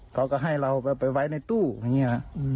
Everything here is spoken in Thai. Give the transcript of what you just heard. เขาก็ให้เราไปไว้ในตู้อย่างนี้